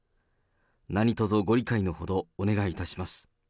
何とぞご理解のほどお願いいたします。